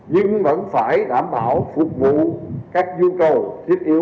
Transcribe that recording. nhưng vẫn phải đảm bảo phục vụ các nhu cầu thiết yếu